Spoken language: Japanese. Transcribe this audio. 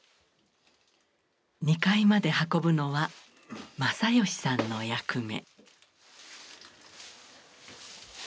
２階まで運ぶのは正義さんの役目。